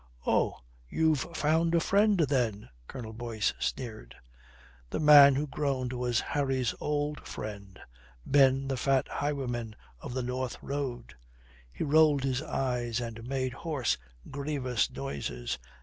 "Oh, you've found a friend, then?" Colonel Boyce sneered. The man who groaned was Harry's old friend, Ben the fat highwayman of the North Road. He rolled his eyes and made hoarse, grievous noises.